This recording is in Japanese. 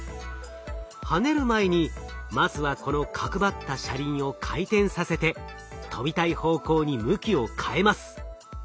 跳ねる前にまずはこの角張った車輪を回転させて跳びたい方向に向きを変えます。